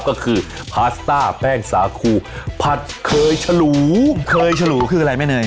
ก็คือพาสต้าแป้งสาคูผัดเคยฉลูเคยฉลูคืออะไรแม่เนย